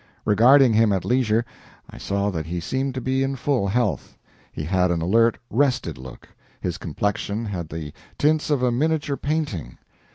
Regarding him at leisure, I saw that he seemed to be in full health. He had an alert, rested look; his complexion had the tints of a miniature painting.